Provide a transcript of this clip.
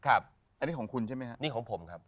อันนี้ของคุณใช่ไหมครับ